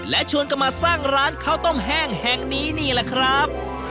และชวนกันมาสร้างร้านข้าวต้มแห้งแห่งนี้นี่แหละครับ